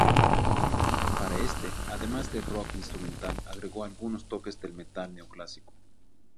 Para este, además del "rock" instrumental agregó algunos toques del "metal" neoclásico.